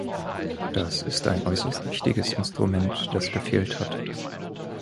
Das ist ein äußerst wichtiges Instrument, das gefehlt hat.